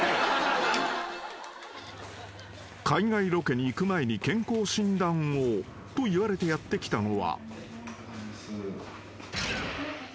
［海外ロケに行く前に健康診断をと言われてやって来たのは］